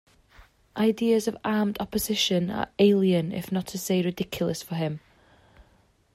Ideas of armed opposition are alien if not to say ridiculous for him.